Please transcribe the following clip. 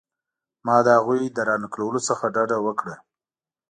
ما د هغوی له را نقلولو څخه ډډه وکړه.